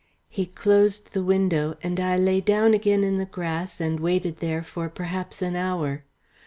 He closed the window, and I lay down again in the grass, and waited there for perhaps an hour.